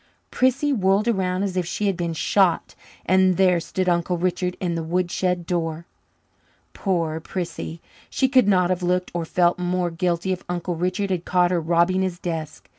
Prissy whirled around as if she had been shot, and there stood Uncle Richard in the woodshed door! Poor Prissy! She could not have looked or felt more guilty if Uncle Richard had caught her robbing his desk.